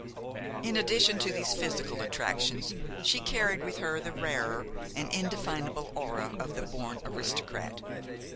In addition to these physical attractions she carried with her the rarer and indefinable aura of the born aristocrat.